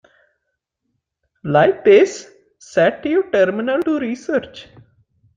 Like this: Set your terminal to research.